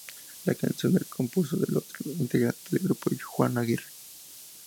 La canción la compuso el otro integrante del grupo, Juan Aguirre.